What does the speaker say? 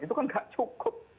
itu kan enggak cukup